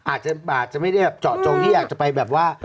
อาจจะไม่ได้แบบเจาะจงที่อยากจะไปแบบว่า